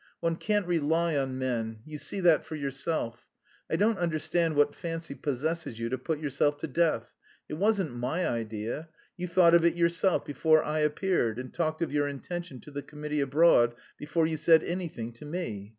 One can't rely on men; you see that for yourself. I don't understand what fancy possesses you to put yourself to death. It wasn't my idea; you thought of it yourself before I appeared, and talked of your intention to the committee abroad before you said anything to me.